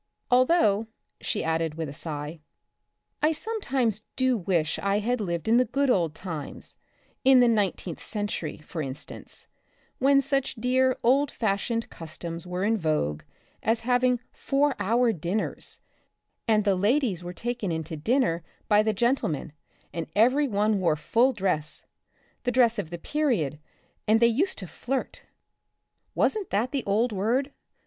Although," she added with a sigh, " I sometimes do wish I had lived in the good old times, in the nineteenth century, for instance, when such dear old fashioned customs were in vogue as having four hour dinners, and the ladies were taken into dinner by the gen tlemen and every one wore full dress — the dress of the period, and they used to flirt — wasn't that the old word?